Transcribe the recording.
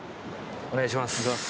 お願いします。